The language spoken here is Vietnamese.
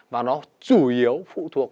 và nó chủ yếu phụ thuộc